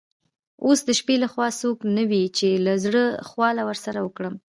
اوس د شپې له خوا څوک نه وي چي د زړه خواله ورسره وکړم.